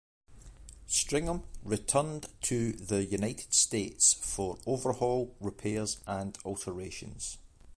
"Stringham" returned to the United States for overhaul, repairs, and alterations.